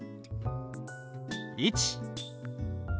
１。